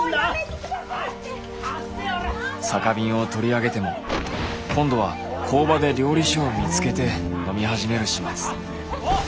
酒瓶を取り上げても今度は工場で料理酒を見つけて飲み始める始末。